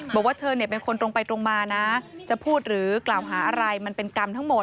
บอกว่าเธอเป็นคนตรงไปตรงมานะจะพูดหรือกล่าวหาอะไรมันเป็นกรรมทั้งหมด